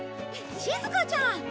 しずかちゃん！